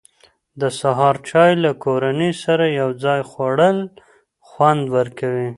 د سهار چای له کورنۍ سره یو ځای خوړل خوند ورکوي.